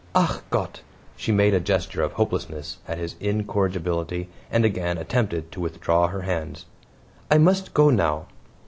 "ACH GOTT!" She made a gesture of hopelessness at his incorrigibility, and again attempted to withdraw her hands. "I must go now."